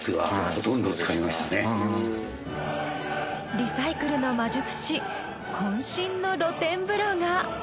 リサイクルの魔術師こん身の露天風呂が。